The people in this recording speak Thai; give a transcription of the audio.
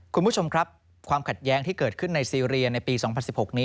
คุณผู้ชมครับความขัดแย้งที่เกิดขึ้นในซีเรียในปี๒๐๑๖นี้